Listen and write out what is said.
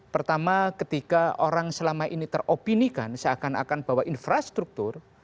pertama ketika orang selama ini teropinikan seakan akan bahwa infrastruktur